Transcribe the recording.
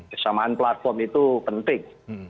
kesamaan platform itu penting